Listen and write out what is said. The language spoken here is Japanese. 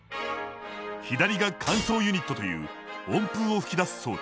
左が乾燥ユニットという温風を吹き出す装置。